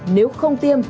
nếu không tiêm